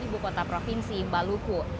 ibukota provinsi baluku